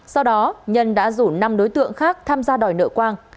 sau đó nhân đã rủ năm đối tượng khác tham gia đòi nợ quang